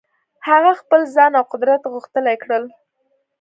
هغه خپل ځان او قدرت غښتلي کړل.